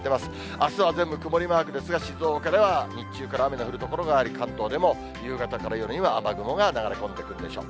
あすは全部曇りマークですが、静岡では日中から雨の降る所があり、関東でも夕方から夜には雨雲が流れ込んでくるでしょう。